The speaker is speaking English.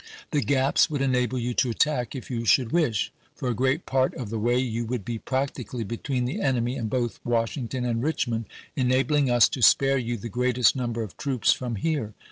The gaps would enable you to attack if you should wish. For a great part of the way you would be practically between the enemy and both Washington and Richmond, enabling us to spare you the greatest number of troops from here.